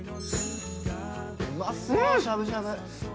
うまそうしゃぶしゃぶ。